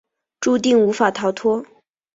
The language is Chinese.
注定无法跳脱